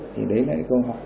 thì đấy là câu hỏi